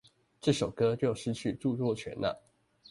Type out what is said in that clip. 這首歌就失去著作權了